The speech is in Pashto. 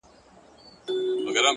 د حوصله مندي ځواک اوږدې لارې لنډوي!